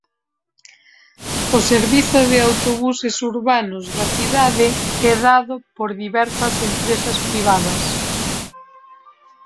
O servizo de autobuses urbanos da cidade é dado por diversas empresas privadas.